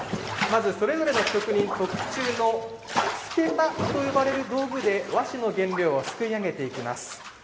まずそれぞれの職人特注の簀桁と呼ばれる道具で和紙の原料をすくいあげていきます。